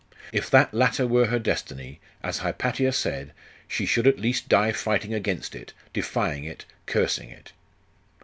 If that latter were her destiny, as Hypatia said, she should at least die fighting against it, defying it, cursing it!